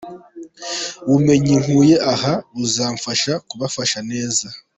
Ubumenyi nkuye aha, buzamfasha kubafasha neza.